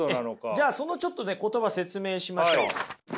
じゃあそのちょっとね言葉説明しましょう。